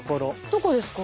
どこですか？